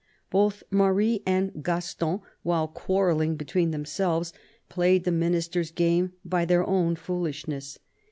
Both Marie and Gaston, while quarrelling between themselves, played the IVIinister's game by their own foolishness.